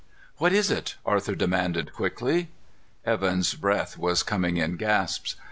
"What is it?" Arthur demanded quickly. Evan's breath was coming in gasps.